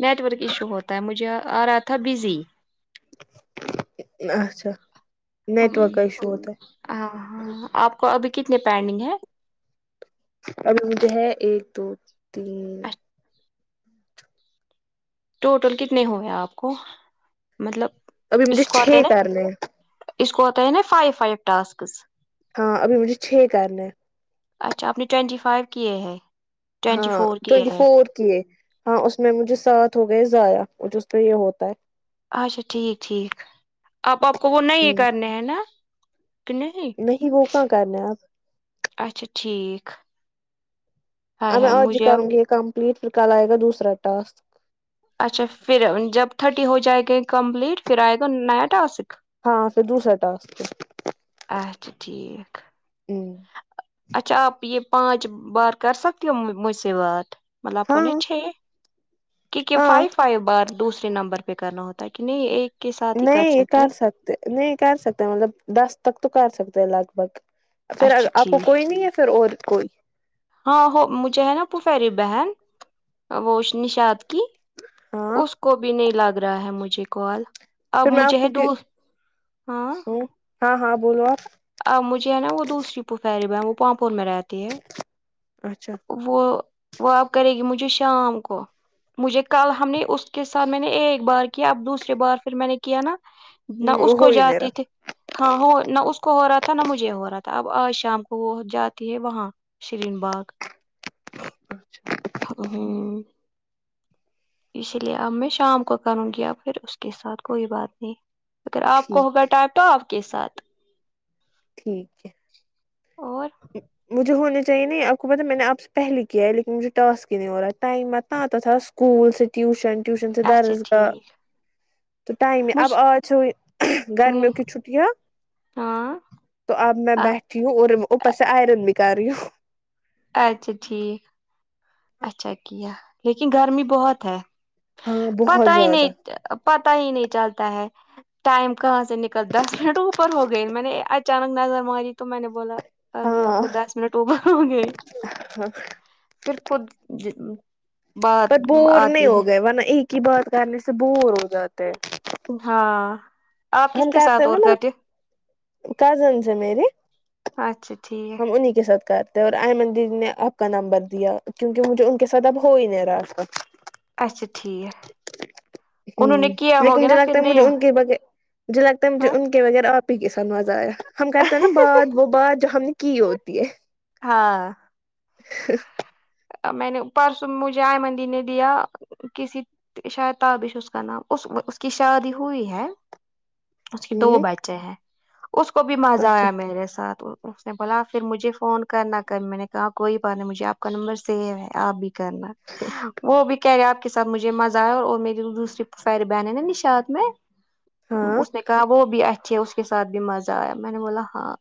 net work issue ہوتا ہے مجھے آ رہا تھا بزی اچھا ہمم نیٹورک کا ایشو ہوتا ہے ہاں ہاں آپ کو ابھی کتنے پینڈنگ ہے ابھی مجھے ہے ایک دو تین ٹوٹل کتنے ہوئے آپ کو مطلب ابھی مجھے اس کو آتے ہے چھ نا کرنے ہیں اس کو آتے ہے نا فائیو فائیو ٹاسکس ہاں ابھی مجھے چھ کرنے ہیں اچھا آپ نے ٹوئینٹی فائیو کیے ہے ہاں ٹوئنٹی فور کیے ہاں اس میں مجھے ساتھ ہو گئے ضائع وہ جو اس پہ یہ ہوتا ہے اچھا ٹھیک ٹھیک آپ آپ کو وہ ہے نہیں ہ کرنے ہیں نا کہ نہیں وہ کہاں کرنا ہے آپ اچھا ٹھیک ہائے اب میں ہائے آج مجھے اب کروں گی یہ کمپلیٹ پھر کل آئے گا دوسرا ٹاسک اچھا پھر جب تھرٹی ہو جائے گی کمپلیٹ پھر آئے گا نیا ٹاسک ہاں پھر دوسرا ٹاسک اچھا ٹھیک ہوں اچھا آپ یہ پانچ بار کر سکتی ہو مجھ سے بات مطلب آپ کو ہاں نہیں چاہیے کیونکہ ہاں فائیو فائیو بار دوسرے نمبر پہ کرنا ہوتا ہے کہ نہیں ایک کے ساتھ ہی نہیں یہ کر سکتے نہیں کر سکتے مطلب دس تک تو کر سکتے ہیں لگ بھگ پھر آ اچھا آپ کو ٹھیک کوئی نہیں ہے پھر اور کوئی ہاں ہو مجھے ہے نا پھپری بہن وہ نشات کی ہاں اس کو بھی نہیں لگ رہا ہے مجھے کال اب پھر میں آپ مجھے کو دو ہاں ہ ہاں ہاں بولو آپ ا مجھے ہے نا وہ دوسری پھپیری بہن وہ پاپور میں رہتی ہے اچھا وہ وہ اب کرے گی مجھے شام کو مجھے کل ہم نے اس کے ساتھ میں نے ایک بار کیا اب دوسریے بار پھر میں نے کیا نا نہ اس ہ کو ہو ہی نہیں جاتی تھی رہا ہاں ہو نہ اس کو ہو رہا تھا نہ مجھے ہو رہا تھا اب آج شام کو وہ جاتی ہے وہاں شرین باغ اچھا ہممم اسی لیے اب میں شام کو کروں گی ا پھر اس کے ساتھ کوئی بات نہیں اگر آپ کو ہوگا ٹھیک ٹائم ٹو آپ کے ساتھ ٹھیک ہے اور مجھے ہونے چاہیے نہیں آپ کو پ میں نے آپ سے پہلے کیا ہے لیکن مجھے ٹاسک ہی نہیں ہو رہا ہے ٹائم آتتا آتا تھا اسکول سے ٹیوشن ٹیوشن سے اچھا درسگاہ ٹھیک تو ائم مجھ اب آج چ گرمیوں کی ہی چٹیاں ہاں تو اب میں بیٹھی ہوں اور اوپر سے آئرن بھی کر رہی ہوں اچھا ٹھیک اچھا کیا لیکن گرمی بہت ہے ہاں بہت پتہ ہی نہیں زیادہ پتا ہی نہیں چلتا ہے ٹائم کہاں سے نکل دس منٹ اوپر ہو گئے میں نے اچانک نظر ماری تو میں نے بولا ابھی آپ ہاں کو دس منٹ اوبر ہوں گے ہاں خود [unintelligible] بات پر بور نہیں آتی ہو ہے گئے ورنہ ایک ہی بار کرنے سے بور ہو جاتے ہیں ہاں آپ کس کے ساتھ اور کرتی کزنز ہے میرری اچھا ٹھیک ہم انہیں کے ساتھ کر اور آئ منندر نے آپ کا نمبر دیا کیونکہ مجھے ان کے ساتھ اب ہو ہی نہیں رہا تھا اچھا ٹھیک انہوں نے ہمم کیا لیکن ہوگیا مجھے نا پھر لگتا ہے نہیں مجھے ان کے بغیر جو لگتا ہے مجھے ہاں ان کے بغیر آپ ہی کے ساتھ مزہ آیا ہم کرتے ہیں نا بات وہ بات جو ہم نے کی ہوتی ہے ہاں میں نے پرسوں مجھے ائمن دی نے دیا کسی شاید تابش اس کا نام اس اس کی شادی ہوئی ہے اس کے دو ہوں بچے ہیں اس کو بھی مزہ اچھا آیا میرے ساتھ اس نے بولا پھر مجھے فون کرنا کر میں نے کہا کوئی بات نہیں مجھے آپ کا نمبر سیو ہے آپ بھی کرنا وہ بھی کہے آپ کے ساتھ مجھے مزہ آیا اور میری دوسری ساری بہن ہیں نا نشااد میں ہاں اس نے کہا وہ بھی اچھے اس کے ساتھ بھی مزہ آیا میں نے بولا ہاں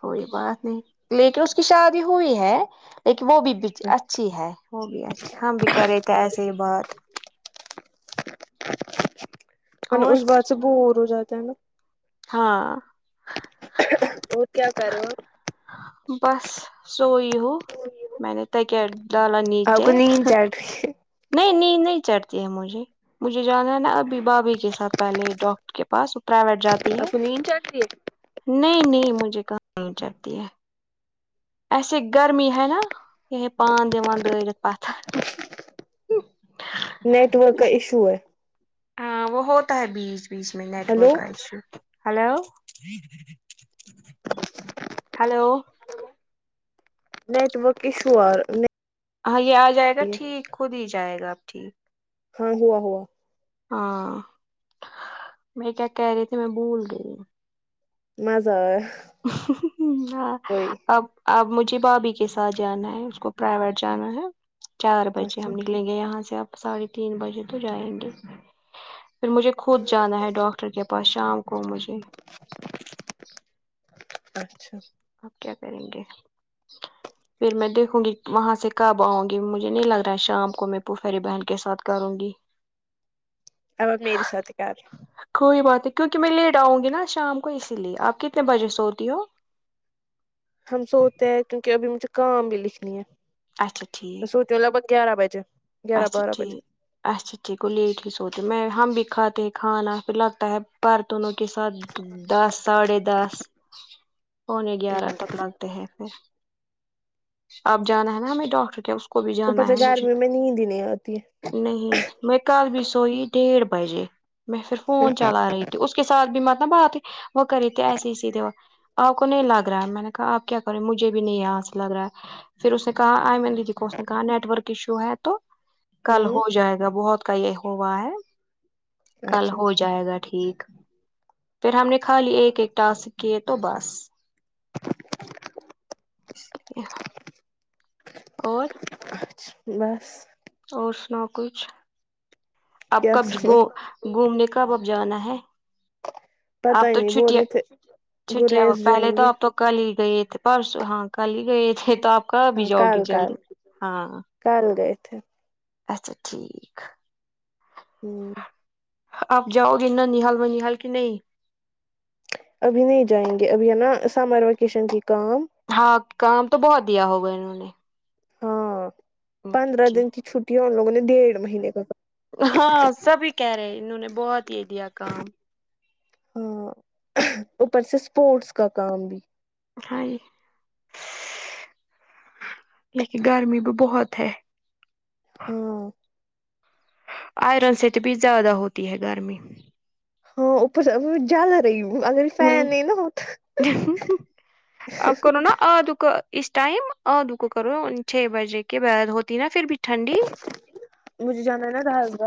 کوئی بات نہیں لیکن اس کی شادی ہوئی ہے لیکن وہ بھی کیون اچھی ہے وہ بھی اچا ہم بھی کرے تھے ایسے ہی بات ان اور اس بات سے بور ہو جاتا ہے نا ہاں اور کیا کر رہو ہو بس سوئی ہوو [unintelligible] ہو میں نے ت کیا ل آپ نیچے کو نیند چڑھ رہی ہے نہیں نیند نہیں چڑتی ہے مجھے مجھے جانا ہے نا ابھی بابھی کے ساتھ پہلے ڈاک کے پاس وہ پرائیویٹ جاتی ہے آپ کو نیند چڑتی ہے نہیں نہیں مجھے کہاں نہیں چڑتی ہے ایسے [unintelligible] گرمی ہے نا یہ ہے پان دان دورت پتھر ہ نیٹ ورک کا ایشو ہے ہاں وہ ہوتا ہے بیچ بیچ میں ہلو نیٹورک کا issue hello hello network issue ارا ہاں یہ آ جائے گا ٹھیک کود ہی جائے گا آب ٹھیک ہاں ہواہوا ہاں میں کیا کہہ رہی تھی میں بھول گئی ہوں مزہ آیا ہ وہی اب اب مجھے بھابھی کے ساتھ جانا ہے اس کو پرائیویٹ جانا ہے چار بجے اچھا ہم نے نکلیں گے یہاں سے آپ ساڑھے تین بجے تو جائیں گے پھر مجھے خود جانا ہے ڈاکٹر کے پاس شام کو مجھے اچھا اپ کیا کریں گے پھر میں دیکھوں گی وہاں سے کب آؤں گی مجھے نہیں لگ رہا ہے شام کو میں پھپھیری بہن کے ساتھ کروں گی اب میری سات کار کوئی بات ہے کیونکہ میں لیٹ آؤں گی نا شام کو اسی لیے آپ کتنے بجے سوتی ہو ہم سوتے ہیں کیونکہ ابھی مجھے کام بھی لکھنی ہے اچھا ٹھیک سوچو لگ بھگ گیارہ بجے گیارہ اچھا بارہ ٹھیک بجے اچھا بچے کو لیٹ ہی سوتے میں ہم بھی کاتے ہیں کھانا پھر لگتا ہے برتونوں کے ساتھ دس ساڑھے دس پونے گیارہ تک لگتے ہیں پھر آپ جانا ہے نا ہمیں ڈاکٹر کیا اس کو بھی جانا ہے انتظار مجھے میں نیند ہی نہیں آتی ہے نہیں میں کل بھی سوئی ڈیھ بجے میں پھر فون چلا رہی تھی اس کے سھ بھی متب بات ہے وہ کری تے ایسے ہی سیدھے وہ آپ کو نہیں لگ رہا ہے میں نے کہا آپ کیا کر رہے مجھے بھی نہیں آاںس سے لگ رہا ہے پھر اس نے کہا آئی من دیدی کو اس نے کہا نیٹورک ایشو ہے تو کل ہے ہ ہو جائے گا بہت کا یہ ہوا ہے کل اچھا ہو ج جائے گا ٹھیک پھر ہم نے خالی ایک ایک ٹاسک کیے تو بس اور بس اور سناؤ کچھ اب کیا کب سنو گ گھومنے کب اب جانا ہے اب پتا ہی تو نہیں بول چھٹیا رہے تھے چھٹیاں ہو گریز جائیں پہلے تو گے آپ تو کل ہی گئے تھے پرسوں ہاں کل ہی گئے تھے تو کب بھی ہاں جاؤ گے کل ک جلدی ہاں کال گئے تھ اچھا ٹھیک ہوں آپ جاؤ [unintelligible] حل کی نہیں ابھی نہیں جائیں گے ابھی ہے نا سمر ویکیشن کی کام ہاں کام تو بہت دیا ہوگا انہوں نے ہاں اچھا پندرہ دن ٹھیک کی چھٹی ہے ان لوگوں نے ڈیڑھ مہینے کا ہاں سبھی کہہ رہے انہوں نے بہت دے دیا کام ہاں اوپر سے اسپورٹس کا کام بھی ہاں لیکن گرمی بھی بہت ہے ہاں آئرن سے تو بھی زیادہ ہوتی ہے گرمی ہاں اوپر زیادہ جل رہی اگر فین نہیں نا ہو [unintelligible] اس ٹائم اور د کو کرو چھ بجے کے بعد ہوتی نا پھر بھی ٹھنڈی مجھے جانا ہے نا [unintelligible] کا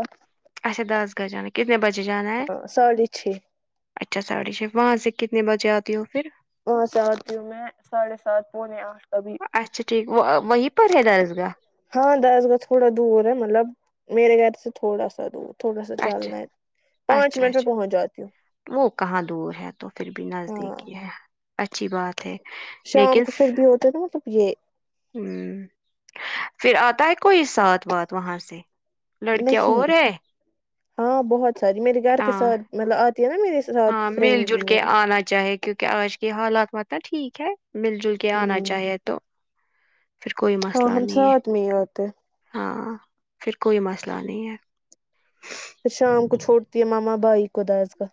اچھا درس گاہ جانا ہے کتنے بجے جانا ہے ساڑھے چھ اچھا ساڑھے چھ وہاں سے کتنے بجے آتی ہو پھر وہاں سے اتی ہوں میں ساڈھے سات پونے آٹھ کبھی اچھا ٹھیک وا وہیں پر ہے درسگاہ ہاں درس گاہ تھوڑا دور ہے مطلب میرے گھر سے تھوڑا سا دور تھوڑا سا اچھا چلنا ہے پانچ اچھا منٹ میں اچھا پہنچ جاتی ہوں وہ کہاں دور ہے تو پھر بھی ہاں نزدیکی ہے اچھی بات ہے شام لیکن کو پھر بھی ہوتا ہے نا مطلب یہ ہ پھر آتا ہے کوئی ساتھ وات وہاں سے لڑکیا اور نہیں ہے ہاں بہت ساری میرے گھر کے ہاں ساتھ مطلب آتی ہے نا میری ساتھ ہاں مل فرینڈ جل بھی کے آنا چاہے کیونکہ آج کی حالات مطلب ٹھیک ہے مل جل کے آنا ہوں چاہیے تو پھر کوئی ہاں مسئلہ ہم نہیں ہے ساتھ میں ہی آتے ہاں پھر کوئی مسئلہ نہیں ہے پھر شام کو چھوڑتی ہے ماما بھائی کو درس گاہ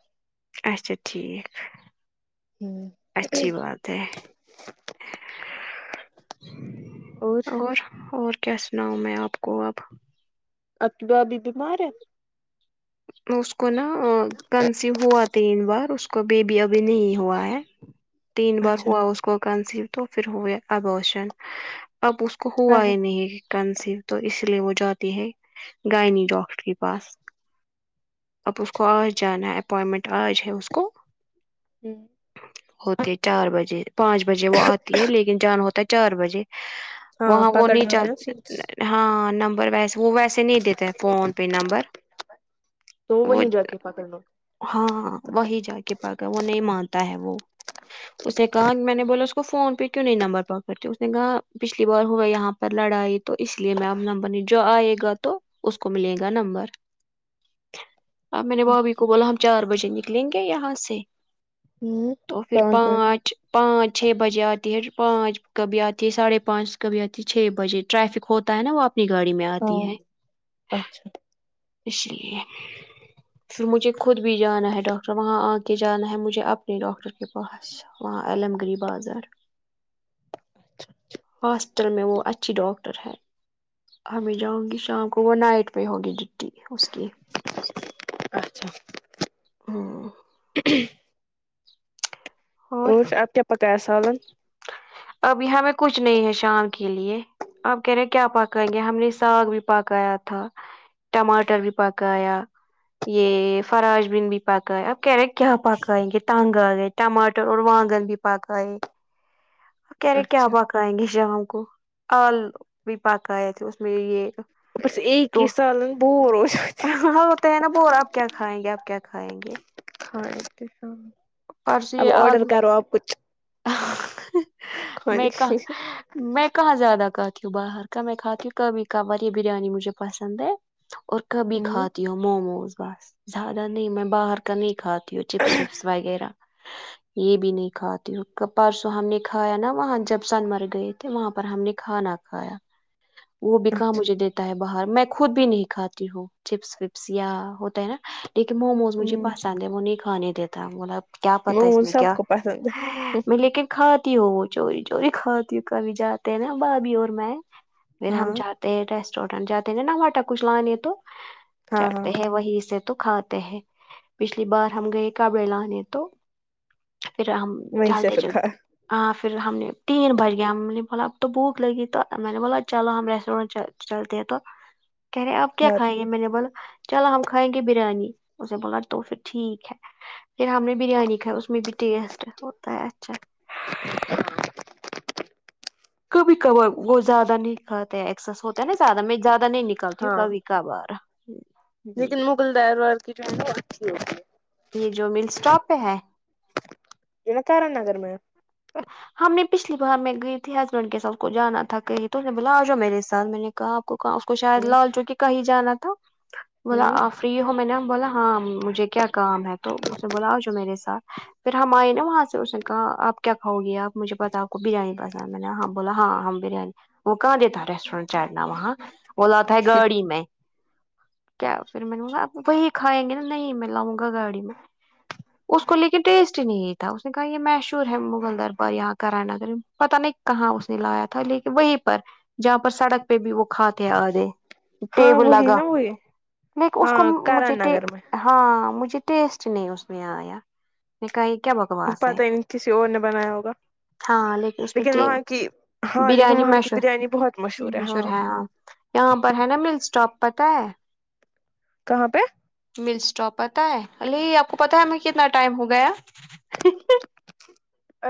اچھا ٹھیک ہوں اچھی بات ہے اور اور کیا سناؤ میں آپ کو اب آپکی بھابی بیمار ہے اس کو نا کنسیو ہوا تین بار اس کو بیبی ابھی نہیں ہوا ہے تین بار اچھا ہوا اس کو کنسیو تو پھر ہوئے ابورشن اب اس کو ہاں ہوا ہے ہی نہیں کنسیو تو اس لیے وہ جاتی ہے گائنی ڈاکٹر کے پاس اب اس کو آج جانا ہے اپوائنمنٹ آج ہے اس کو [inaudible] ہوتی چار بجے پانچ بجے وہ آتی ہے لیکن جانا ہوتا ہے چار بجے ہاں وہاں وہ نہیں پکڑنے ہوتے چل ہیں سیٹس ہاں نمبر ویس وہ ویسے نہیں دیتے فون پہ نمبر تو وہیں جا کے پاکڑ لو ہاں ہاں وہی جا کے پا کڑلےوہ نہیں مانتا ہے وہ اس نے کہا میں نے بولا اس کو فون پہ کیوں نہیں نمبر پا کرتے اس نے کہا پچھلی بار ہوا یہاں لڑائی تو اس لیے میم نمبر نہیں جو آئے گا تو اس کو ملے گا نمبر آں میں نے بھابھی کو اچھا بولا ہم چار بجے نکلیں گے یہاں سے ہوں تو پھر منٹ پانچ پانچ چھ بجے آتی ہے پانچ کبھی آتی ہے ساڑھے پانچ کبھی آتی ہے چھ بجے ٹریفک ہوتا ہے نا وہ آ اپنی گاڑی میں ہاں آتی ہے اچھا اس لیے پھر مجھے خود بھی جانا ہے ڈاکٹر وہاں آ کے جانا ہے مجھے اپنے ڈاکٹر کے پاس وہاں علم گری بازار ہاسپٹل میں وہ اچھی ڈاکٹر ہے ہمیں جاؤں گی شام کو وہ نائٹ پہ ہوگی ڈیوٹی اس کی اچھا ہاں اور آپ کیا پکایا سالن اب ہمیں کچھ نہیں ہے شام کے لیے آپ کہہ رہے کیا پکائیں گے ہم نے ساگ بھی پکایا تھا ٹماٹر بھی پکایا یہ فراش بیھنڈی بھی پکایا اب کیرٹ کیا پکائیں کہ تنگ آ گاے ٹماٹر اور بینگن بھی پکائی کہہ رہے کیا اچھا پکائیں گے شام کو آلو بھی پکایا تھے اس میں یہ بس اایک تو ہی سالن بور ہو جاتے ہے کہ رہا نا بڑا اور آپ کیا کھائیں گے آپ کیا کھائیں گے ہاں اب آڈر کرو اب کچھ آہوں کھانے میں کا کے لیے میں کہاں زیادہ کھاتی ہوں باہر کا میں کھاتی ہوں کبھی کبھار یہ بریانی مجھے پسند ہے اور کبھی کھاتی ہوں موموز بس زیادہ نہیں میں باہر کا نہیں کھاتا چپس وپس وغیرہ یہ بھی نہیں کھاتی ہوں پرسوں ہم نے کھایا نا وہاں جب سن مرگے گئے تھے وہاں پر ہم نے کھانا کھایا وہ بھی کہاں اچھا مجھے دیتا ہے باہر میں خود بھی نہیں کھاتی ہوں چپس وپس یا نا لیکن موموز مجھے پسند ہے وہہ نہیں کھانے دیتا مطب موموز سب کو پسند ہے میں لیکن کھاتی ہو وہ چوری چوری کھاتی ہوں کبھی جاتے ہیں نا بھابھی اور میں پھر ہم ہاں جاتے ہیں ریسٹورینٹ جاتے نا آٹا کچھ لانے تو ہاں ہاں چڑھتے ہیں وہی سے تو کھاتے ہیں پچھلی بار ہم گئے کپڑے لانے تو پھر ہم وہیں سے چلتے پھر کھا چلت ہ پھر ہم نے تین بج گیا ہم نے بولا اب تو بھوک لگی تو میں نے بولا چلو ہم ریسٹورینٹ چلتے ہیں تو کہہ رہے آپ کیا کھا کھائیں گے میں نے بلا چلو ہم کھائیں گے بریانی اسے بولا تو پھر ٹھیک ہے پھر ہم نے بریانی کھائی اس میں بھی ٹیسٹ ہے اچھا کبھی کبار وہ زیادہ نہیں کاتے ہیں ایکسس ہوتا ہے نا زیادہ میں زیادہ نہیں نکالتی ہوں ہاں کبھی کب ارا لیکن مغل دروار [unintelligible] کی اچھی ہوتی ہے یہ جو مل اسٹاپ پہ ہے جناکرا نگرر میں ا ہم نے پچھلی بار میں گئی تھی ہسبینڈ کے ساتھ کو جانا تھا کہیں تو اس نے بلا آ جا میرے ساتھ میں نے کہاں آپ اس کو شاید ہے لال چکی کہیں جانا تھا بولا اپ فری ہو میں نے بولا ہاں مجھے کیا کام ہے تو اسے بلاؤ جو میرے ساتھ پھر ہم آئی نا وہاں سے اس نے کہا آپ کیا کھاؤ گی اپ مچھ پتہ ہے اپ کو بریانی پسند ہے میں نے ہاں بولا ہاں ہم بریانی وہ کہاں دیتا ریسٹورینٹ چھنا وہاں بولا تھا ہے گاڑی میں کیا پھر میں لوں گا آپ وہی کھائیں گے نا نہیں میں لاؤں گا گاڑی میں اس کو لیکن ٹیسٹ ہی نہیں تھا اس نے کہا یہ مشہور ہے ندر پر یہاں کرائ نگر میں پتا نہیں کہاں اس نے لایا تھا لیکن وہیں پر جہاں پر سڑک پہ بھی وہ کھاتے ہیں آ گے ہاں ٹیبل وہی لگا نا وہی لیک اس کو ہاں مجھے کرن نگر میں ہاں مجھے ٹیسٹ نہیں اس میں آیا نہیں کہ کیا بتاؤں پتا ہی نہیں کسی اور نے بنایا ہوگا ہاں لیکن اس میں کہ وہاں کی ہاں لیکن بریانی وہاں کی مشہور بریانی بہت ہے مشہور ہاں ہےاں یہاں پر ہے نا مل اسٹاپ پتا ہے کہاں پہ مل اسٹاپ پتا ہے الی آپ کو پتا ہے ہم کتنا ٹائم ہو گیا ا